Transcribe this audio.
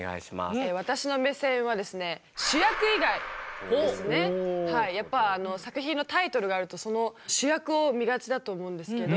私の目線はですねやっぱ作品のタイトルがあるとその主役を見がちだと思うんですけど